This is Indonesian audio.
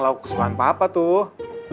lauk kesukaan papa tuh